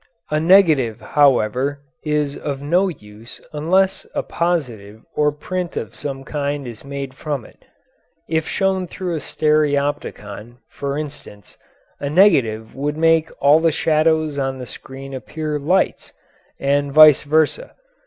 A negative, however, is of no use unless a positive or print of some kind is made from it. If shown through a stereopticon, for instance, a negative would make all the shadows on the screen appear lights, and vice versa.